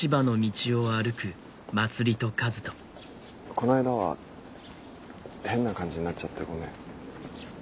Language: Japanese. この間は変な感じになっちゃってごめん。